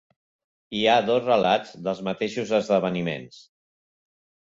Hi ha dos relats dels mateixos esdeveniments.